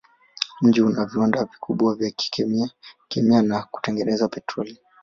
Mji una viwanda vikubwa vya kemia na kutengeneza petroli.